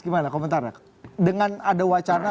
gimana komentarnya dengan ada wacana